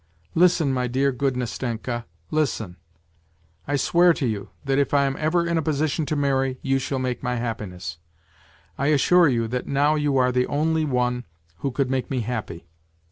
"' Listen, my dear good Nastenka, listen ; I swear to you that if I am ever in a position to marry, you shall make my happi ness. I assure you that now you are the only one who could make me happy.